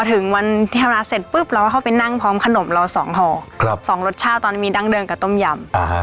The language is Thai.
ถึงวันที่ทำร้านเสร็จปุ๊บเราก็เข้าไปนั่งพร้อมขนมเราสองห่อสองรสชาติตอนนี้มีดั้งเดิมกับต้มยำ